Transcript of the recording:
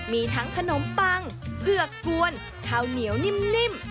มีทั้งขนมปังเผือกกวนข้าวเหนียวนิ่ม